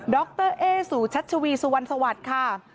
ดรเอสุชัชวีสวัสดีค่ะ